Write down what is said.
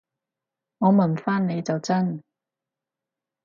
我問返你就真